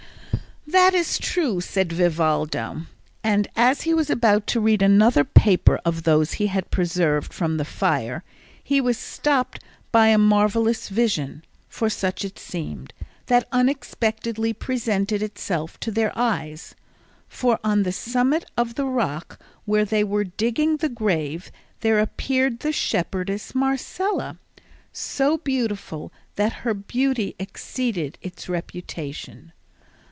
"That is true," said Vivaldo; and as he was about to read another paper of those he had preserved from the fire, he was stopped by a marvellous vision (for such it seemed) that unexpectedly presented itself to their eyes; for on the summit of the rock where they were digging the grave there appeared the shepherdess Marcela, so beautiful that her beauty exceeded its reputation.